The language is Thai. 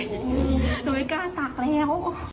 หนูไม่กล้าตากแล้ว